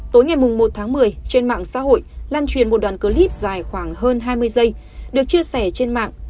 tối ngày một tháng một mươi trên mạng xã hội lan truyền một đoạn clip dài khoảng hơn hai mươi giây được chia sẻ trên mạng